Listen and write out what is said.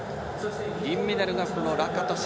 銀メダルがラカトシュ。